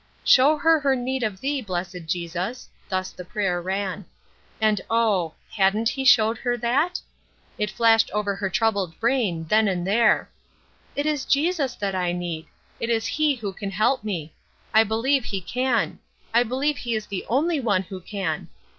"Show her her need of thee, blessed Jesus," thus the prayer ran. And oh! hadn't he showed her that? It flashed over her troubled brain then and there: "It is Jesus that I need. It is he who can help me. I believe he can. I believe he is the only one who can."